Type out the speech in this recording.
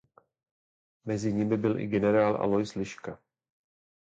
Mezi nimi byl i generál Alois Liška.